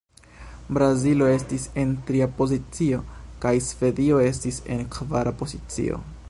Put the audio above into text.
Brazilo estis en tria pozicio, kaj Svedio estis en kvara pozicio.